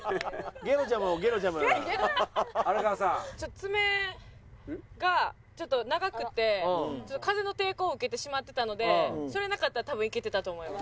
爪がちょっと長くて風の抵抗を受けてしまってたのでそれなかったら多分いけてたと思います。